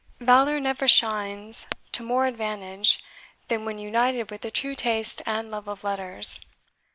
Valour never shines to more advantage than when united with the true taste and love of letters.